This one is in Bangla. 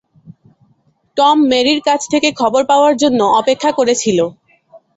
টম মেরির কাছ থেকে খবর পাওয়ার জন্য অপেক্ষা করে ছিল।